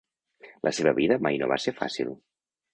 La seva vida mai no va ser fàcil.